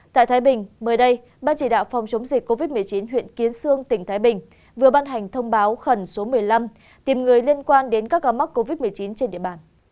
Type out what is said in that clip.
tại thái bình mới đây ban chỉ đạo phòng chống dịch covid một mươi chín huyện kiến sương tỉnh thái bình vừa ban hành thông báo khẩn số một mươi năm tìm người liên quan đến các ca mắc covid một mươi chín trên địa bàn